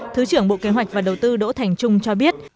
thứ trưởng bộ kế hoạch và đầu tư đỗ thành trung cho biết